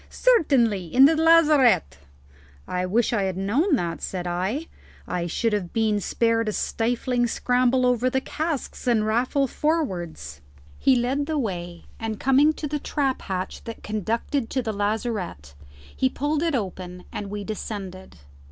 "Certainly; in the lazarette." "I wish I had known that," said I; "I should have been spared a stifling scramble over the casks and raffle forwards." He led the way, and coming to the trap hatch that conducted to the lazarette, he pulled it open and we descended.